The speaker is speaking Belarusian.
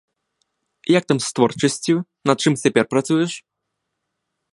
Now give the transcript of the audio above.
Як там з творчасцю, над чым цяпер працуеш?